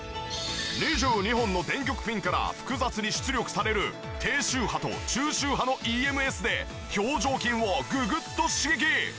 ２２本の電極ピンから複雑に出力される低周波と中周波のＥＭＳで表情筋をググッと刺激！